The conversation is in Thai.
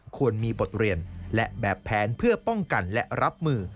ควรมีบทเรียนและแบบแผนเพื่อป้องกันและรับมือ